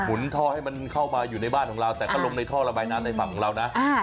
นท่อให้มันเข้ามาอยู่ในบ้านของเราแต่ก็ลงในท่อระบายน้ำในฝั่งของเรานะ